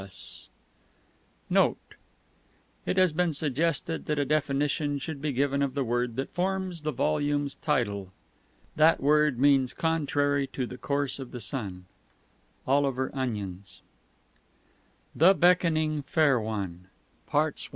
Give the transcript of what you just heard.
Also it has been suggested that a definition should be given of the word that forms the volume's title. That word means "contrary to the course of the Sun." O.O. CONTENTS I. THE BECKONING FAIR ONE II. PHANTAS III.